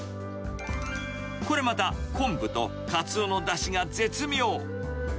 これまた昆布とかつおのだしが絶妙。